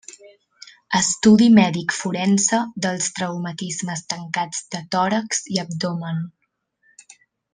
Estudi mèdic forense dels traumatismes tancats de tòrax i abdomen.